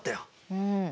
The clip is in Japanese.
うん。